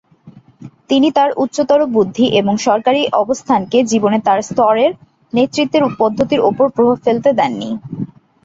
তিনি তাঁর উচ্চতর বুদ্ধি এবং সরকারী অবস্থানকে জীবনে তাঁর স্তরের নেতৃত্বের পদ্ধতির উপর প্রভাব ফেলতে দেননি।